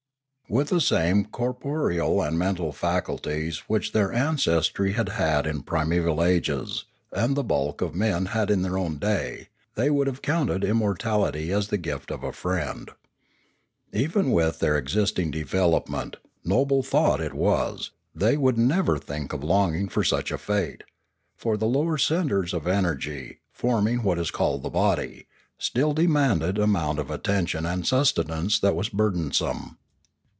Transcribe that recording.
With the same corporeal and mental faculties which their ancestry had had in primeval ages, and the bulk of men had in their own day, they would have counted immortality as the gift of a frtend. Even with their existing development, noble though it was, they would never think of longing for such a fate; for the lower centres of energy, forming what is called the body, still demanded an amount of attention and sustenance that was burdensome.